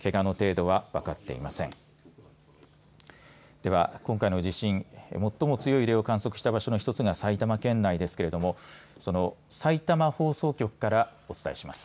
では今回の地震最も強い揺れを観測した場所の１つが埼玉県内ですけれどもその、さいたま放送局からお伝えします。